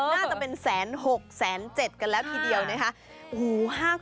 น่าจะเป็น๑๐๖๐๐๐๑๐๗๐๐๐กันแล้วทีเดียวนะครับ